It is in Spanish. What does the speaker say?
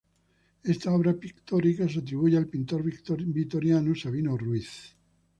Esta obra pictórica se atribuye al pintor vitoriano Sabino Ruiz.